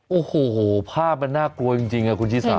โอ้โหภาพมันน่ากลัวจริงคุณชิสา